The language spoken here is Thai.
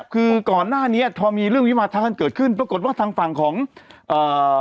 คือก่อนหน้านี้พอมีเรื่องวิวาทะกันเกิดขึ้นปรากฏว่าทางฝั่งของเอ่อ